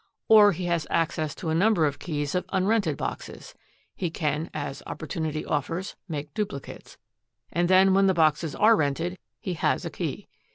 Or he has access to a number of keys of unrented boxes; he can, as opportunity offers, make duplicates, and then when the boxes are rented, he has a key.